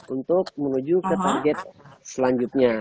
untuk menuju ke target selanjutnya